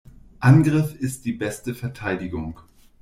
Angriff ist die beste Verteidigung.